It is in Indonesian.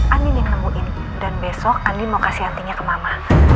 andi yang nemuin dan besok andin mau kasih antinya ke mama